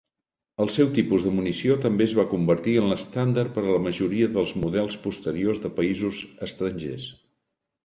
El seu tipus de munició també es va convertir en l'estàndard per a la majoria dels models posteriors de països estrangers.